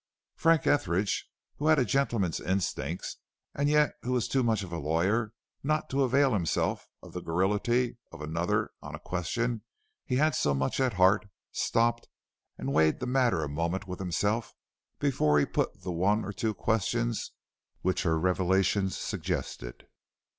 Frank Etheridge, who had a gentleman's instincts, and yet who was too much of a lawyer not to avail himself of the garrulity of another on a question he had so much at heart, stopped, and weighed the matter a moment with himself before he put the one or two questions which her revelations suggested.